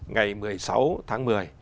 ngày một mươi sáu tháng một mươi